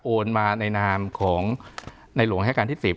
โอนมาในนามของนายหลวงแห้งการที่๑๐